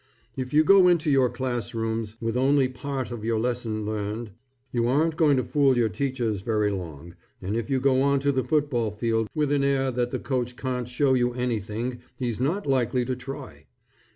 If you go into your classrooms with only part of your lessons learned, you aren't going to fool your teachers very long, and if you go on to the football field with an air that the coach can't show you anything he's not likely to try.